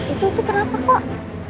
itu itu kenapa pak